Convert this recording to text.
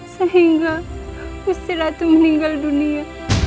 sehingga gusti ratu meninggal dunia